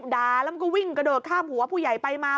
ด่าแล้วมันก็วิ่งกระโดดข้ามหัวผู้ใหญ่ไปมา